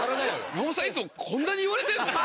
山本さんいつもこんなに言われてんすか？